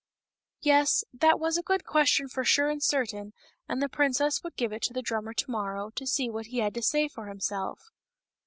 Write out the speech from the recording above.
Yes ; that was a good question for sure and certain, and the princess would give it to the drummer to morrow, to see what he had to say for himself.